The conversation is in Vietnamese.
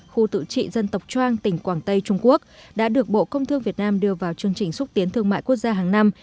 khu tự trị dân tộc trang tỉnh quảng tây trung quốc đã được bộ công thương việt nam đưa vào chương trình xúc tiến thương mại quốc gia hàng năm